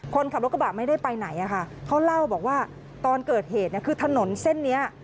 คนขับรถกระบะไม่ได้ไปไหนอะค่ะเขาเล่าบอกว่าตอนเกิดเหตุเนี่ยคือถนนเส้นนี้